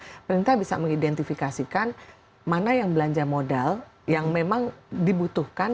pemerintah bisa mengidentifikasikan mana yang belanja modal yang memang dibutuhkan